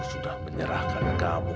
sudah menyerahkan kamu